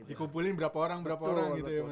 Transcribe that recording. dikumpulin berapa orang berapa orang gitu ya